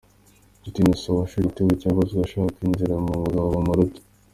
Nshuti Innocent wahushije igitego cyabazwe ashaka inzira mu bagabo bamuruta.